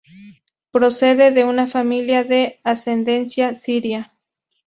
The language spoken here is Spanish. Procede de una familia de ascendencia siria.